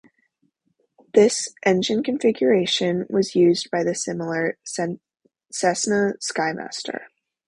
This engine configuration was used by the similar Cessna Skymaster.